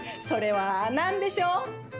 それはなんでしょう？